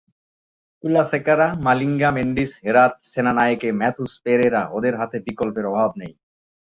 কুলাসেকারা, মালিঙ্গা, মেন্ডিস, হেরাথ, সেনানায়েকে, ম্যাথুস, পেরেরা—ওদের হাতে বিকল্পের অভাব নেই।